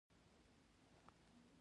د شولو لو کول اسانه وي.